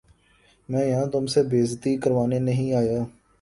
میں یہاں تم سے بے عزتی کروانے نہیں آیا